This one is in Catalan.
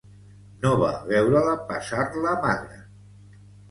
No va veure-la passar-la magra.